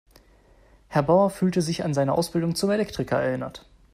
Herr Bauer fühlte sich an seine Ausbildung zum Elektriker erinnert.